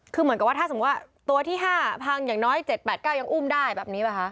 คือเหมือนกับว่าถ้าสมมุติว่าตัวที่๕พังอย่างน้อย๗๘๙ยังอุ้มได้แบบนี้ป่ะคะ